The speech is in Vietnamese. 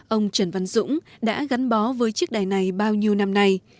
ông trần văn dũng đã gắn bó với chiếc đài này bao nhiêu năm nay